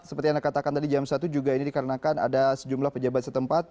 seperti anda katakan tadi jam satu juga ini dikarenakan ada sejumlah pejabat setempat